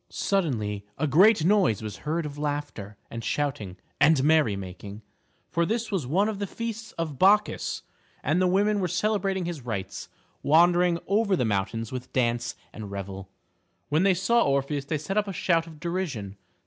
Suddenly a great noise was heard of laughter and shouting and merry making. For this was one of the feasts of Bacchus, and the women were celebrating his rites, wandering over the mountains with dance and revel. When they saw Orpheus they set up a shout of derision.